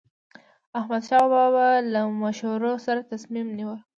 احمدشاه بابا به له مشورو سره تصمیم نیوه.